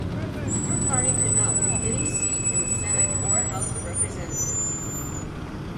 Her party could not win any seat in the Senate or House of representatives.